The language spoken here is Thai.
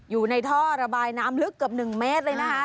อยู่ในท่อระบายน้ำลึกเกือบ๑เมตรเลยนะคะ